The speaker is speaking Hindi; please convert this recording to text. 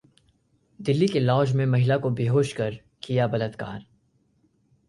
दिल्ली के लॉज में महिला को बेहोश कर किया बलात्कार